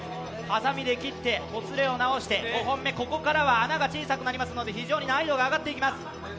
はさみで切ってほつれを直して５本目ここからは穴が小さくなりますので、難易度が非常に上がってきます。